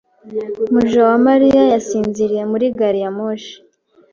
Mujawamariya yasinziriye muri gari ya moshi.